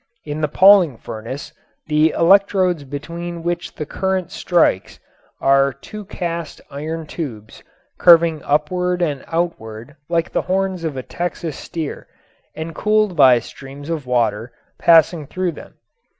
In the Pauling furnace the electrodes between which the current strikes are two cast iron tubes curving upward and outward like the horns of a Texas steer and cooled by a stream of water passing through them.